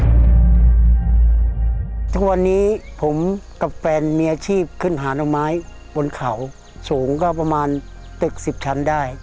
ทุกวันนี้ผมกับแฟนมีอาชีพขึ้นหาหน่อไม้บนเขาสูงก็ประมาณตึก๑๐ชั้นได้